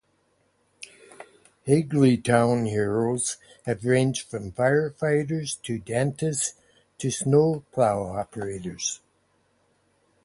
Higglytown heroes have ranged from firefighters to dentists to snow plow operators.